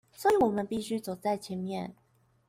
所以我們必須走在前面